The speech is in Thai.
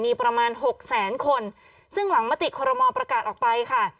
มีประมาณหกแสนคนซึ่งหลังมติคอรมอลประกาศออกไปค่ะ